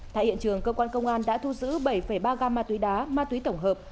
tại hiện trường công an đã thu giữ bảy ba gam ma túy đá ma túy tổng hợp